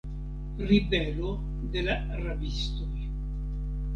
Ribelo de la rabistoj.